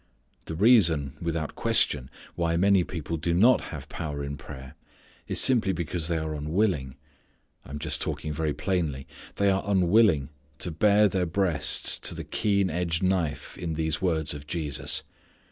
The reason, without question, why many people do not have power in prayer is simply because they are unwilling I am just talking very plainly they are unwilling to bare their breasts to the keen edged knife in these words of Jesus.